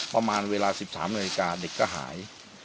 ประมาณเวลา๑๓นาฬิกาเด็กก็หาย